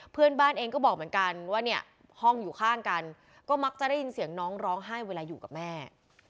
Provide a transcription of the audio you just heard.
เพื่อนบ้านเองก็บอกเหมือนกันว่าเนี่ยห้องอยู่ข้างกันก็มักจะได้ยินเสียงน้องร้องไห้เวลาอยู่กับแม่